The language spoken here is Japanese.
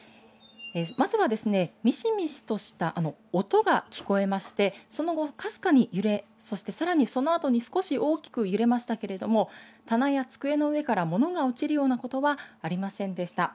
まずはみしみしとした音が聞こえまして、その後かすかに揺れ、そしてさらにそのあとに少し大きく揺れましたけれども棚や机の上から物が落ちるようなことはありませんでした。